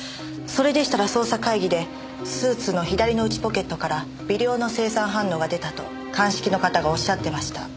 それでしたら捜査会議でスーツの左の内ポケットから微量の青酸反応が出たと鑑識の方がおっしゃってました。